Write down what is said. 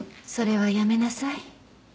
それはやめなさい。